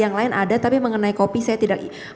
yang lain ada tapi mengenai kopi saya tidak